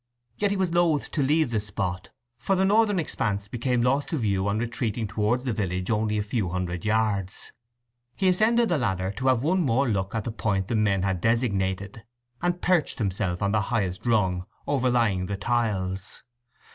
Yet he was loth to leave the spot, for the northern expanse became lost to view on retreating towards the village only a few hundred yards. He ascended the ladder to have one more look at the point the men had designated, and perched himself on the highest rung, overlying the tiles.